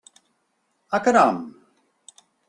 Ah, caram!